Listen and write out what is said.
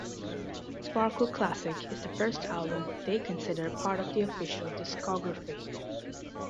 "Sparkle Classic" is the first album they consider part of the official discography.